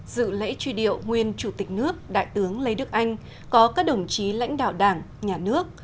dự lễ truy điệu nguyên chủ tịch nước đại tướng lê đức anh có các đồng chí lãnh đạo đảng nhà nước